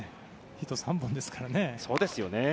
ヒット３本ですからね。